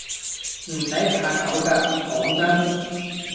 唔使怕醜㗎，講真